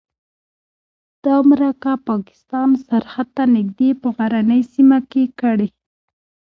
دا مرکه پاکستان سرحد ته نږدې په غرنۍ سیمه کې کړې.